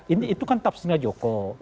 ini itu kan tafsirnya joko